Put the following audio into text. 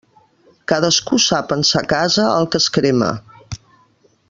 Cadascú sap en sa casa el que es crema.